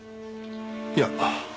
いや。